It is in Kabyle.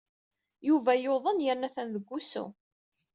Yuba yuḍen yerna atan deg wusu.